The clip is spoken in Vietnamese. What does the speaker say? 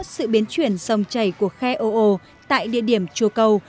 sự biến chuyển sông chảy của khe ô ô tại địa điểm chùa cầu